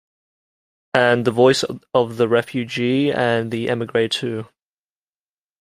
And the voice of the refugee and the emigre, too.